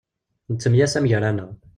Nettemyasam gar-aneɣ.